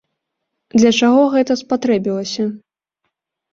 Для чаго гэта спатрэбілася?